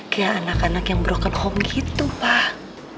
kaya anak anak yang broken home gitu pak